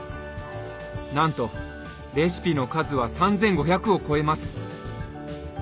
なんとレシピの数は３，５００を超えます。